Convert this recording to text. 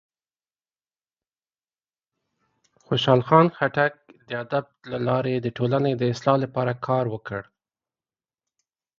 خوشحال خان خټک د ادب له لارې د ټولنې د اصلاح لپاره کار وکړ.